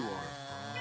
あ。